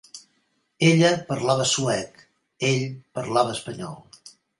Ella parlava suec, ell parlava espanyol.